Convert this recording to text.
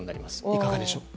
いかがでしょう？